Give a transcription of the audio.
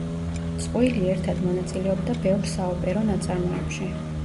წყვილი ერთად მონაწილეობდა ბევრ საოპერო ნაწარმოებში.